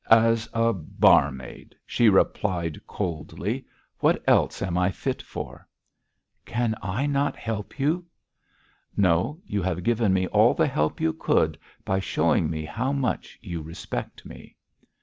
'As a barmaid,' she replied coldly. 'What else am I fit for?' 'Can I not help you?' 'No; you have given me all the help you could, by showing me how much you respect me.'